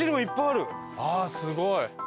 ああすごい！